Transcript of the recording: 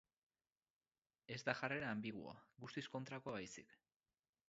Ez da jarrera anbiguoa, guztiz kontrakoa baizik.